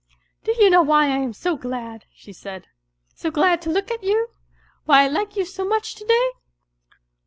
" Do you know why I am so glad," she said, " so glad to look at you ? why I like you so much to day